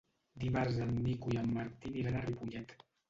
Dimarts en Nico i en Martí aniran a Ripollet.